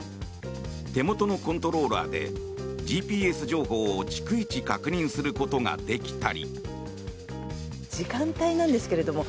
手元のコントローラーでＧＰＳ情報を逐一確認することができたり。